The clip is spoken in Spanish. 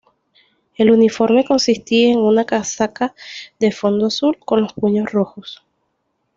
El uniforme consistía en una casaca de fondo azul con los puños rojos.